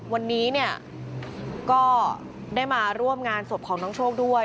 วันนี้เนี่ยก็ได้มาร่วมงานศพของน้องโชคด้วย